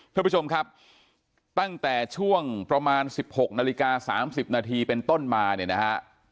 คุณผู้ชมครับตั้งแต่ช่วงประมาณสิบหกนาฬิกาสามสิบนาทีเป็นต้นมาเนี่ยนะฮะ